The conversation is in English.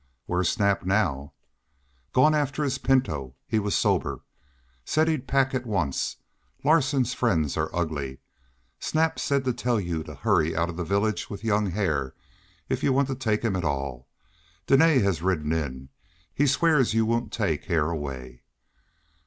"Where's Snap now?" "Gone after his pinto. He was sober. Said he'd pack at once. Larsen's friends are ugly. Snap said to tell you to hurry out of the village with young Hare, if you want to take him at all. Dene has ridden in; he swears you won't take Hare away."